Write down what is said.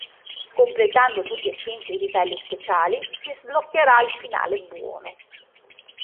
Completando tutti e cinque i livelli speciali si sbloccherà il finale "buono".